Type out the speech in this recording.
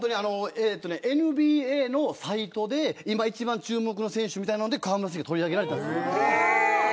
ＮＢＡのサイトで今、一番注目選手みたいなので河村選手取り上げられたんです。